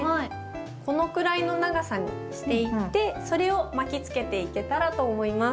このくらいの長さにしていってそれを巻きつけていけたらと思います。